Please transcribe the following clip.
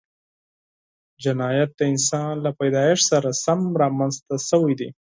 جنایت د انسان له پیدایښت سره سم رامنځته شوی دی